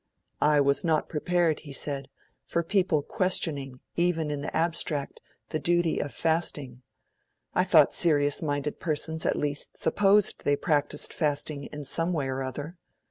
'I was not prepared,' he said, 'for people questioning, even in the abstract, the duty of fasting; I thought serious minded persons at least supposed they practised fasting in some way or other.